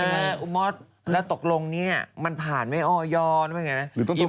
เอออุมศตร์แล้วตกลงเนี่ยมันผ่านไม่ออยอร์อะไรแบบนี้นะ